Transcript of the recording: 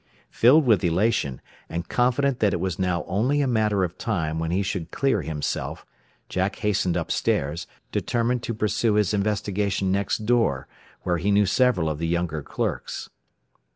Filled with elation, and confident that it was now only a matter of time when he should clear himself, Jack hastened up stairs, determined to pursue his investigation next door, where he knew several of the younger clerks.